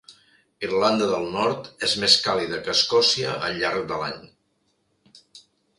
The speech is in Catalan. Irlanda del Nord és més càlida que Escòcia al llarg de l'any.